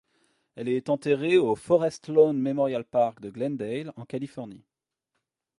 Elle est enterrée au Forest Lawn Memorial Park de Glendale, en Californie.